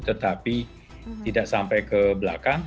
tetapi tidak sampai ke belakang